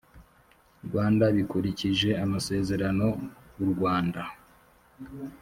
rwanda bikurikije amasezerano u rwanda